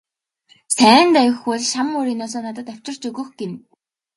Сайн давхивал шан мөрийнөөсөө надад авчирч өгөх гэнэ.